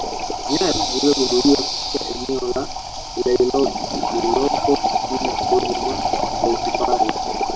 Nyayo zilizogunduliwa katika eneo la Laetoli lililoko kusini kidogo mwa Oltupai